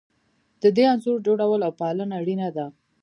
د دې انځور جوړول او پالنه اړینه ده.